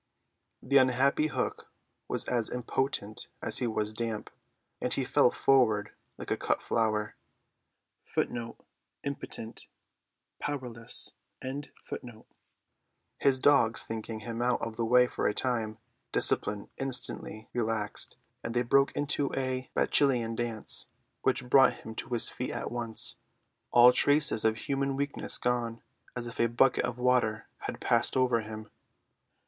The unhappy Hook was as impotent as he was damp, and he fell forward like a cut flower. His dogs thinking him out of the way for a time, discipline instantly relaxed; and they broke into a bacchanalian dance, which brought him to his feet at once, all traces of human weakness gone, as if a bucket of water had passed over him.